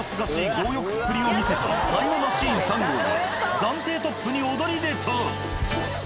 強欲っぷりを見せたタイムマシーン３号が暫定トップに躍り出た！